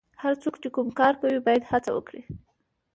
هر څوک چې کوم کار کوي باید هڅه وکړي.